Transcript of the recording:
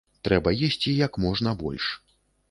Трэба есці як можна больш.